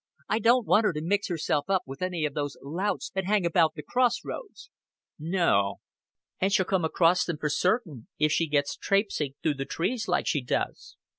I don't want her to mix herself up with any of those louts that hang about the Cross Roads." "No." "And she'll come across them for certain if she gets trapesing through the trees like she does.